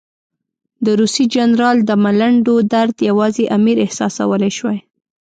د روسي جنرال د ملنډو درد یوازې امیر احساسولای شوای.